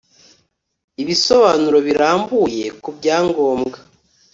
Ibisobanuro birambuye ku byangombwa